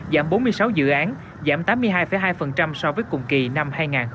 giảm bốn mươi sáu dự án giảm tám mươi hai hai so với cùng kỳ năm hai nghìn hai mươi ba